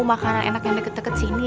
makanan enak yang deket deket sini